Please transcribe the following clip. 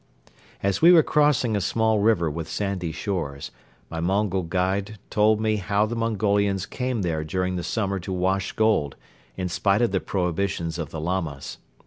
As we were crossing a small river with sandy shores, my Mongol guide told me how the Mongolians came there during the summer to wash gold, in spite of the prohibitions of the Lamas.